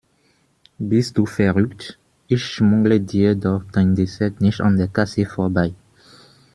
Bist du verrückt, ich schmuggle dir doch dein Dessert nicht an der Kasse vorbei.